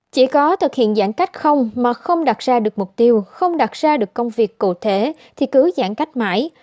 chỉ có thực hiện giãn cách không mà không đặt ra được mục tiêu không đặt ra được công việc cụ thể thì cứ giãn cách mãi